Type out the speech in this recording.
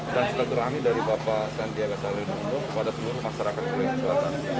dan setelah terangin dari bapak sandiaga salimundo kepada seluruh masyarakat kota selatan